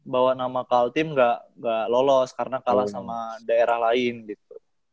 bawa nama kaltim gak lolos karena kalah sama daerah lain gitu